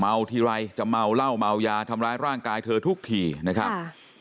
ทีไรจะเมาเหล้าเมายาทำร้ายร่างกายเธอทุกทีนะครับค่ะ